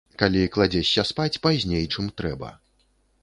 Калі кладзешся спаць пазней, чым трэба.